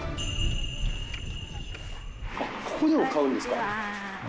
ここでも買うんですか？